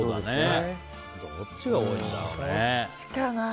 どっちが多いんだろうね。